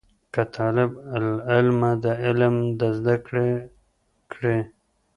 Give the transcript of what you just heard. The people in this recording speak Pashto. که طالب العلم د علم د زده کړې